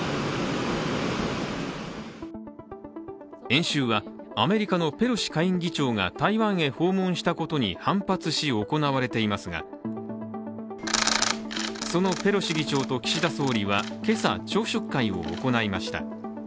演習はアメリカのペロシ下院議長が台湾へ訪問したことに反発し行われていますがそのペロシ議長と岸田総理は今朝、朝食会を行いました。